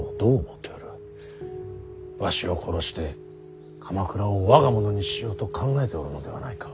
わしを殺して鎌倉を我が物にしようと考えておるのではないか。